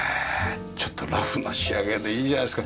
ちょっとラフな仕上げでいいじゃないですか。